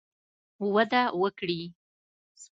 وده وکړي